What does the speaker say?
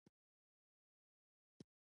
وادي د افغانستان د اقلیمي نظام ښکارندوی ده.